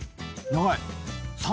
長い！